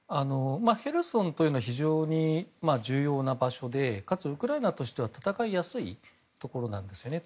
ヘルソンというのは非常に重要な場所でかつ、ウクライナとしては戦いやすいところなんですよね。